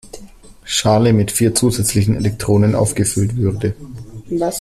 Schale mit vier zusätzlichen Elektronen aufgefüllt würde.